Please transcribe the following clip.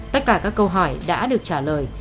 tất cả các câu hỏi đã được trả lời